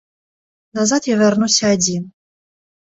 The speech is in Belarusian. Назад ён вярнуўся адзін.